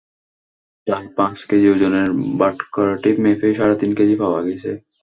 তাঁর পাঁচ কেজি ওজনের বাটখারাটি মেপে সাড়ে তিন কেজি পাওয়া গেছে।